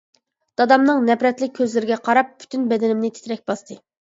دادامنىڭ نەپرەتلىك كۆزلىرىگە قاراپ، پۈتۈن بەدىنىمنى تىترەك باستى.